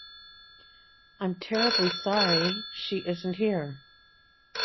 I'm terribly sorry she isn't here.